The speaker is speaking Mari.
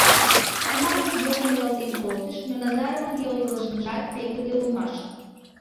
Тунамак йолым иралтен колтыш, но Назаровын йолйыжыҥжат пеҥгыде улмаш.